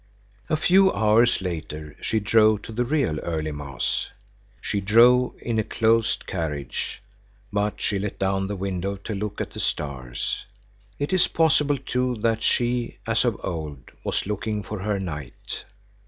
A few hours later she drove to the real early mass. She drove in a closed carriage, but she let down the window to look at the stars; it is possible too that she, as of old, was looking for her knight.